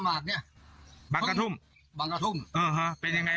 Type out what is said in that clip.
มาสักหน่อย